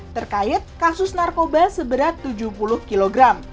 terkait kasus narkoba seberat tujuh puluh kg